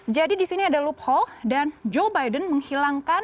jadi disini ada loophole dan joe biden menghilangkan lima belas persen ini